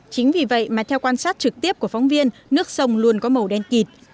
chính vì vậy mà theo quan sát trực tiếp của phóng viên nước sông luôn có màu đen kịt